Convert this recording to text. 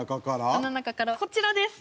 そんな中からこちらです！